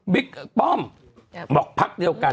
ป้อมบอกพักเดียวกัน